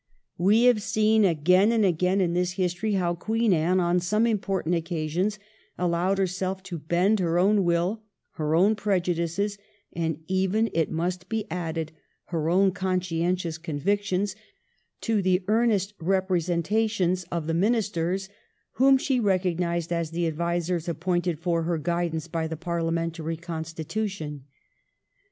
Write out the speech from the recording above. We have seen again and again in this history how Queen Anne, on some important occasions, allowed herself to bend her own will, her own prejudices, and even, it must be added, her own conscientious convictions, to the earnest representations of the Ministers whom she recognised as the advisers appointed for her guidance by the Parliamentary constitution.